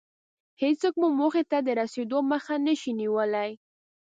هېڅوک مو موخې ته د رسېدو مخه نشي نيولی.